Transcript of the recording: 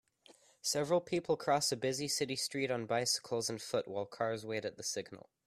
Several people cross a busy city street on bicycles and foot while cars wait at the signal.